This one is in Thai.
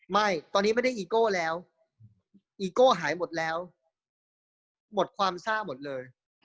ไม่ตอนนี้ไม่ได้อีโก้แล้วอีโก้หายหมดแล้วหมดความซ่าหมดเลย